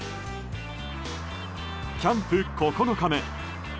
キャンプ９日目。